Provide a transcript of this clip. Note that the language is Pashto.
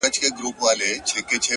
o په عزت په شرافت باندي پوهېږي ـ